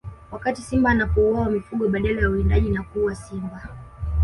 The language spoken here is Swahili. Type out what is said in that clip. Wakati simba anapowaua mifugo badala ya uwindaji na kuua simba